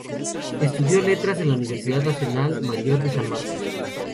Estudió Letras en la Universidad Nacional Mayor de San Marcos.